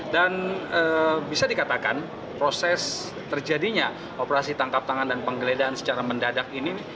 dan bisa dikatakan proses terjadinya operasi tangkap tangan dan penggeledahan secara mendadak ini